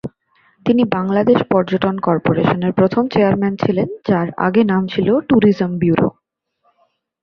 তিনি বাংলাদেশ পর্যটন করপোরেশনের প্রথম চেয়ারম্যান ছিলেন, যার আগে নাম ছিল ট্যুরিজম ব্যুরো।